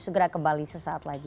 segera kembali sesaat lagi